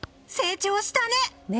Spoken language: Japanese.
成長したね！